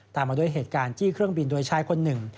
มาด้วยเหตุการณ์จี้เครื่องบินโดยชายคนหนึ่ง